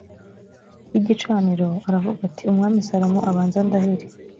y igicaniro aravuga ati umwami salomo abanze andahire